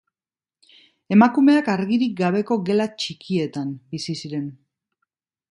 Emakumeak argirik gabeko gela txikietan bizi ziren.